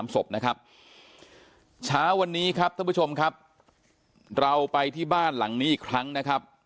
ศพนะครับเช้าวันนี้ครับท่านผู้ชมครับเราไปที่บ้านหลังนี้อีกครั้งนะครับ